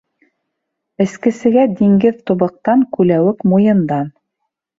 Эскесегә диңгеҙ тубыҡтан, күләүек муйындан.